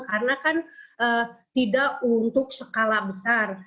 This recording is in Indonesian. karena kan tidak untuk sekala besar